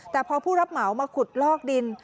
แต่พอผู้รับเหมามาขุดลอกดิน